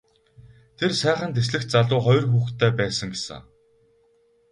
Тэр сайхан дэслэгч залуу хоёр хүүхэдтэй байсан гэсэн.